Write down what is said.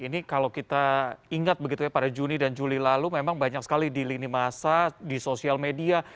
ini kalau kita ingat begitu ya pada juni dan juli lalu memang banyak sekali di lini masa di sosial media